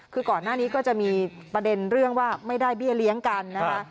คือก่อนหน้านี้ก็จะมีประเด็นเรื่องว่าไม่ได้เบี้ยเลี้ยงกันนะคะ